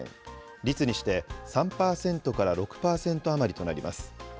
率にして３％から６％余りとなります。